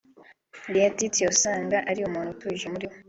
Laetitia usanga ari umuntu utuje muri we